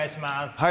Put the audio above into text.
はい。